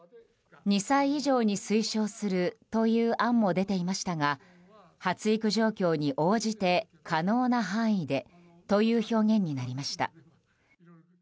２歳以上に推奨するという案も出ていましたが発育状況に応じて可能な範囲でという表現になりました。